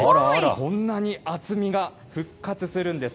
こんなに厚みが復活するんです。